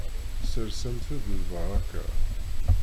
Sersemt-d lbaraka.